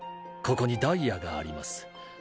ここにダイヤがあります